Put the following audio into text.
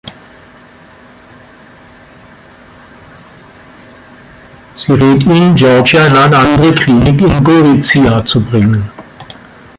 Sie rät ihnen, Giorgia in eine andere Klinik in Gorizia zu bringen.